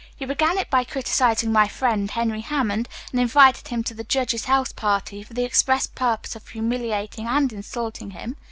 You began it by criticizing my friend, Henry Hammond, and invited him to the judge's house party for the express purpose of humiliating and insulting him.